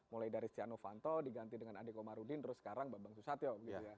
mulai dari stiano vanto diganti dengan adeko marudin terus sekarang bang susatyo